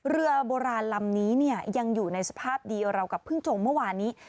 เรือโบราณลำนี้เนี่ยยังอยู่ในสภาพเดียวเรากับพึ่งจมเมื่อวานนี้